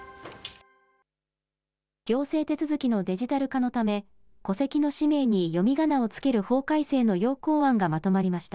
行政手続きのデジタル化のため、戸籍の氏名に読みがなを付ける法改正の要綱案がまとまりました。